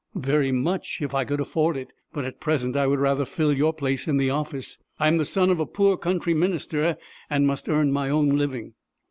"Very much, if I could afford it, but at present I would rather fill your place in the office. I am the son of a poor country minister, and must earn my own living."